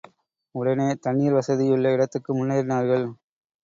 உடனே தண்ணீர் வசதியுள்ள இடத்துக்கு முன்னேறினார்கள்.